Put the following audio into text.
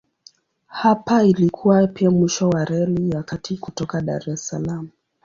Hapa ilikuwa pia mwisho wa Reli ya Kati kutoka Dar es Salaam.